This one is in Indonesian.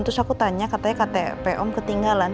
terus aku tanya katanya ktp om ketinggalan